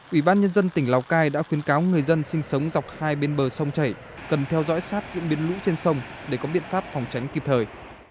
ủy ban nhân dân tỉnh lào cai đã khuyến cáo người dân sinh sống dọc hai bên bờ sông chảy cần theo dõi sát diễn biến lũ trên sông để có biện pháp phòng tránh kịp thời